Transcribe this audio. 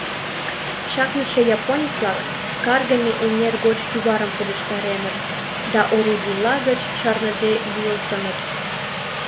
Чакныше японец-влак Каргыме эҥер гоч кӱварым пудештареныт да орудийла гыч чарныде лӱйылтыныт.